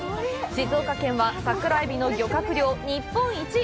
静岡県は、桜エビの漁獲量日本一！